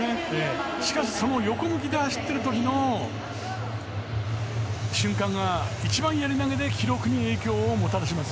しかし横向きで走ってる時の瞬間が一番やり投げで記録に影響をもたらします。